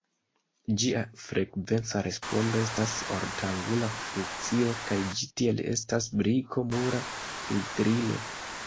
Ĝia frekvenca respondo estas ortangula funkcio, kaj ĝi tiel estas briko-mura filtrilo.